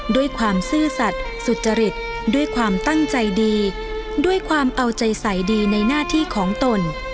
ด้วยความซื่อสัตว์สุจริตด้วยความตั้งใจดีด้วยความเอาใจใสดีในหน้าที่ของตน